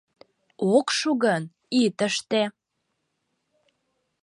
Ок шу гын, ит ыште.